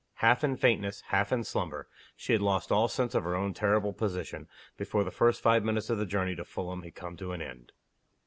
Half in faintness, half in slumber, she had lost all sense of her own terrible position before the first five minutes of the journey to Fulham had come to an end.